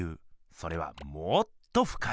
それはもっとふかい。